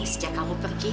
sejak kamu pergi